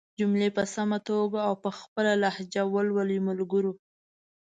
جملې په سمه توګه او په خپله لهجه ېې ولولئ ملګرو!